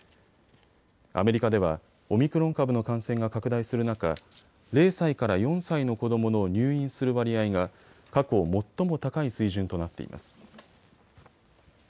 アメリカではオミクロン株の感染が拡大する中、０歳から４歳の子どもの入院する割合が過去最も高い水準となっています。